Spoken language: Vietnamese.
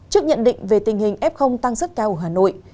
trước nhận định về tình hình f tăng rất cao ở hà nội